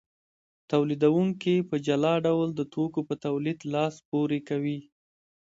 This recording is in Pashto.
تولیدونکي په جلا ډول د توکو په تولید لاس پورې کوي